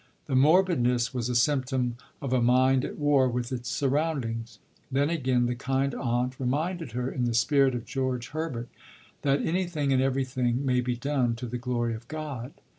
The morbidness was a symptom of a mind at war with its surroundings. Then again the kind "Aunt" reminded her, in the spirit of George Herbert, that anything and everything may be done "to the glory of God."